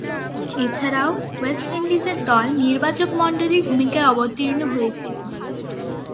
এছাড়াও, ওয়েস্ট ইন্ডিজের দল নির্বাচকমণ্ডলীর ভূমিকায় অবতীর্ণ হয়েছিলেন।